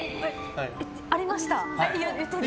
ありました！